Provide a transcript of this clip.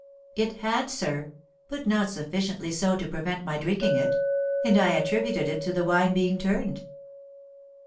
"It had, sir, but not sufficiently so to prevent my drinking it; and I attributed it to the wine being turned."